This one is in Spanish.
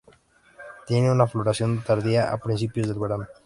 Tiene una floración tardía a principios del verano.